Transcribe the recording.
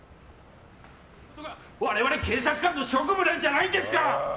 我々警察官の職務なんじゃないですか！